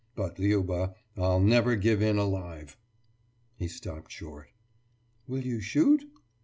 But, Liuba, I'll never give in alive....« He stopped short. »Will you shoot?